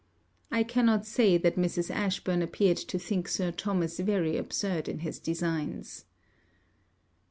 I cannot say that Mrs. Ashburn appeared to think Sir Thomas very absurd in his designs.